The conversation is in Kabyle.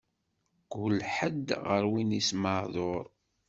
Kul ḥedd, ɣer win-is maɛduṛ.